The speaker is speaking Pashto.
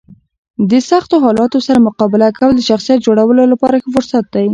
د سختو حالاتو سره مقابله کول د شخصیت جوړولو لپاره ښه فرصت دی.